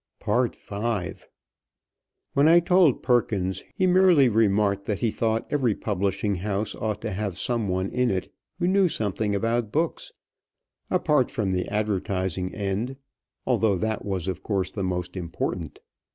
V When I told Perkins, he merely remarked that he thought every publishing house ought to have some one in it who knew something about books, apart from the advertising end, although that was, of course, the most important.